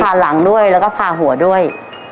หลังด้วยแล้วก็พาหัวด้วย